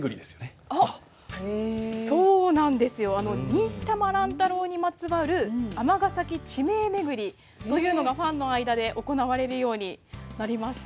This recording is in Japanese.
「忍たま乱太郎」にまつわる尼崎地名めぐりというのがファンの間で行われるようになりました。